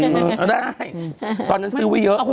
เอาได้ตอนนั้นซื้อไปเยอะ